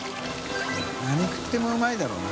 食ってもうまいだろうな。